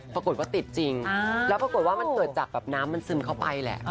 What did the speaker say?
ปรากฏว่าติดจริงแล้วปรากฏว่ามันเกิดจากแบบน้ำมันซึมเข้าไปแหละ